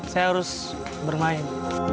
saya harus bermain